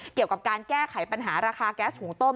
เกี่ยวกับการแก้ไขปัญหาราคาแก๊สหุงต้ม